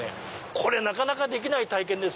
これなかなかできない体験です